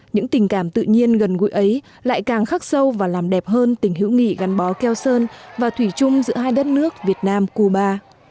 những tình cảm tự nhiên gần gũi ấy lại càng khắc sâu và làm đẹp hơn tình hữu nghị gắn bó keo sơn và thủy chung giữa hai đất nước việt nam cuba